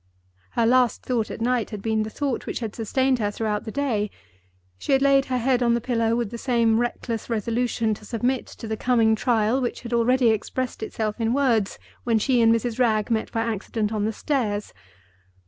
Her last thought at night had been the thought which had sustained her throughout the day. She had laid her head on the pillow with the same reckless resolution to submit to the coming trial which had already expressed itself in words when she and Mrs. Wragge met by accident on the stairs.